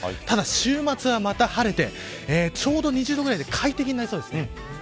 ただ、週末はまた晴れてちょうど２０度ぐらいで快適になりそうです。